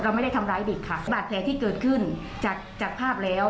ไม่ได้ทำร้ายเด็กค่ะบาดแผลที่เกิดขึ้นจากจากภาพแล้ว